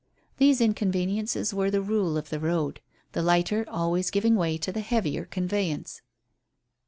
These inconveniences were the rule of the road, the lighter always giving way to the heavier conveyance.